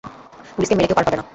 পুলিশকে মেরে কেউ পার পাবে না।